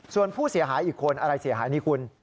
ส่วนผู้เสียหายอีกคนอะไรเสียหายนี่คุณ